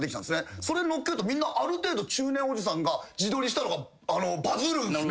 それ載っけるとみんなある程度中年おじさんが自撮りしたのがバズるんす。